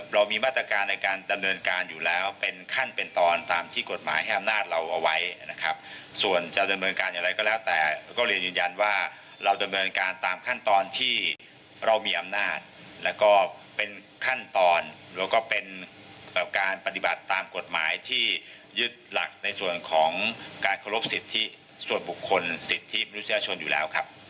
เรามีมาตรการในการดำเนินการอยู่แล้วเป็นขั้นเป็นตอนตามที่กฎหมายให้อำนาจเราเอาไว้นะครับส่วนจะดำเนินการอย่างไรก็แล้วแต่ก็เรียนยืนยันว่าเราดำเนินการตามขั้นตอนที่เรามีอำนาจแล้วก็เป็นขั้นตอนแล้วก็เป็นการปฏิบัติตามกฎหมายที่ยึดหลักในส่วนของการเคารพสิทธิส่วนบุคคลสิทธิมนุษยชนอยู่แล้วครับ